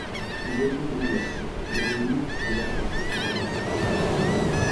emboozi ye ne Nnabyasi ne byonna bye bakola nga bali naye